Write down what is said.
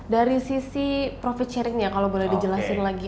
dari sisi profit sharingnya kalau boleh dijelasin lagi